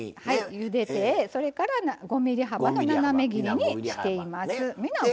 ゆでてそれから５ｍｍ幅の斜め切りにしています。